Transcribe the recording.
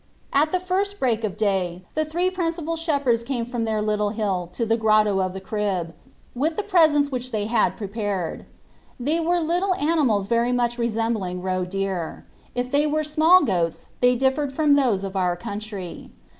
At the first break of day the three principal shep herds came from their little hill to the Grotto of the Crib, with the presents which they had prepared. They were little animals very much resembling roe deer : if they were small goats they differed from those of our country.